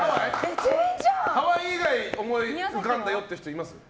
ハワイ以外思い浮かんだ人いますか？